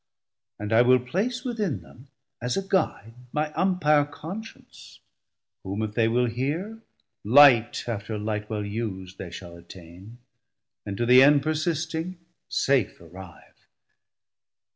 And I will place within them as a guide My Umpire Conscience, whom if they will hear, Light after light well us'd they shall attain, And to the end persisting, safe arrive.